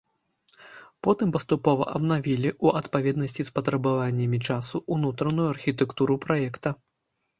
Потым паступова абнавілі, у адпаведнасці з патрабаваннямі часу, унутраную архітэктуру праекта.